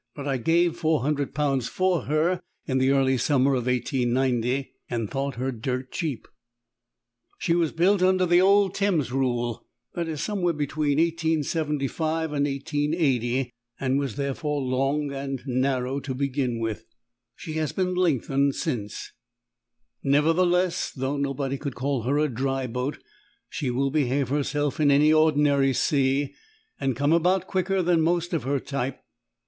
But I gave 400 pounds for her in the early summer of 1890, and thought her dirt cheap. She was built under the old "Thames rule," that is, somewhere between 1875 and 1880, and was therefore long and narrow to begin with. She has been lengthened since. Nevertheless, though nobody could call her a dry boat, she will behave herself in any ordinary sea, and come about quicker than most of her type.